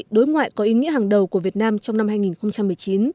đối ngoại có ý nghĩa hàng đầu của việt nam trong năm hai nghìn một mươi chín